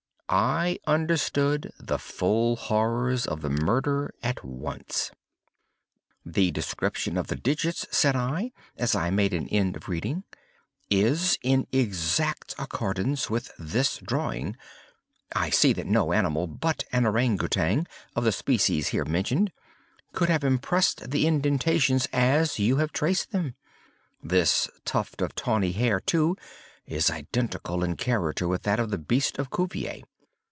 I understood the full horrors of the murder at once. "The description of the digits," said I, as I made an end of reading, "is in exact accordance with this drawing. I see that no animal but an Ourang Outang, of the species here mentioned, could have impressed the indentations as you have traced them. This tuft of tawny hair, too, is identical in character with that of the beast of Cuvier.